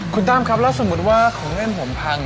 คุณตั้มครับแล้วสมมุติว่าของเล่นผมพัง